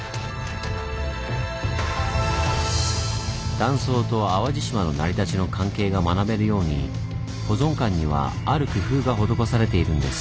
断層と淡路島の成り立ちの関係が学べるように保存館にはある工夫が施されているんです。